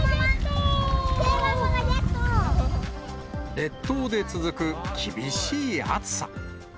列島で続く厳しい暑さ。